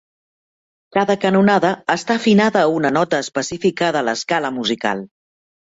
Cada canonada està afinada a una nota específica de l'escala musical.